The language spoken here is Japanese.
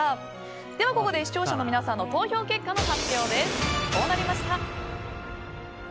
ではここで視聴者の皆さんの投票結果の発表です。